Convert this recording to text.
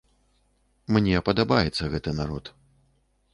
Мне падабаецца гэты народ.